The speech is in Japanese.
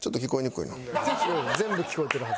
全部聞こえてるはず。